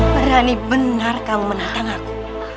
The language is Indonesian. berani benar kamu menantang aku